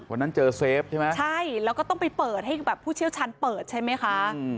วันนั้นเจอเซฟใช่ไหมใช่แล้วก็ต้องไปเปิดให้แบบผู้เชี่ยวชาญเปิดใช่ไหมคะ